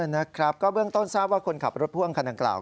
นะครับก็เบื้องต้นทราบว่าคนขับรถพ่วงคันดังกล่าว